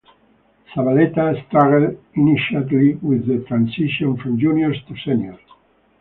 Zabaleta struggled inititally with the transition from juniors to seniors.